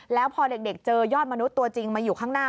แล้วพอเด็กเจอยอดมนุษย์ตัวจริงมาอยู่ข้างหน้า